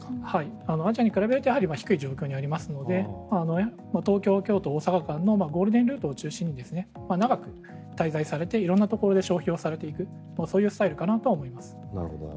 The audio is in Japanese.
アジアに比べると低い状況にありますので東京京都大阪間のゴールデンルートを中心に長く滞在されて色んなところで消費をされていくそういうスタイルかと思います。